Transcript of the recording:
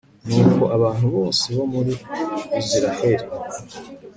nuko abantu bose bo muri israheli